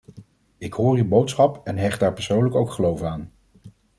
Ik hoor uw boodschap en hecht daar persoonlijk ook geloof aan.